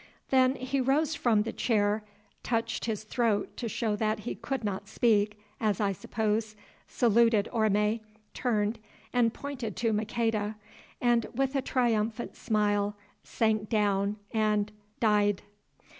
Then he rose from the chair, touched his throat to show that he could not speak, as I suppose, saluted Orme, turned and pointed to Maqueda, and with a triumphant smile sank down and—died.